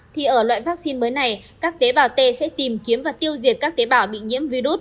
thì ở loại vaccine mới này các tế bào t sẽ tìm kiếm và tiêu diệt các tế bào bị nhiễm virus